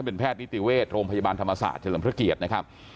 เป็นแพทย์นิติเวชโรงพยาบาลธรรมศาสตร์เฉลิมพระเกียรตินะครับ